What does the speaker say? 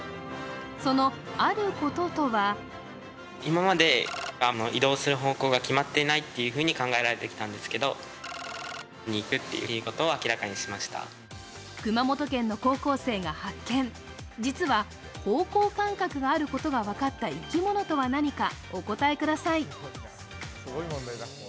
そのあることとは熊本県の高校生が発見実は、方向感覚があることが分かった生き物とは何かお答えください。